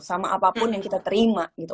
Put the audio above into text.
sama apapun yang kita terima gitu